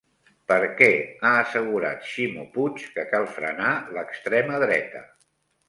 Per què ha assegurat Ximo Puig que cal frenar l'extrema dreta?